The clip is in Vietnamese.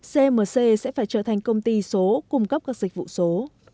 cmc sẽ phải trở thành công ty số cung cấp các dịch vụ số